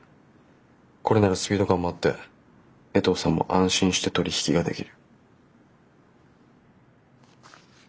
これならスピード感もあって衛藤さんも安心して取り引きができる。